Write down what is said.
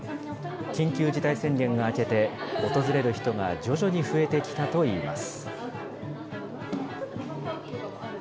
緊急事態宣言が明けて、訪れる人が徐々に増えてきたといいます。